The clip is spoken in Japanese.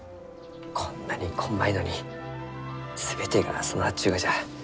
こんなにこんまいのに全てが備わっちゅうがじゃ。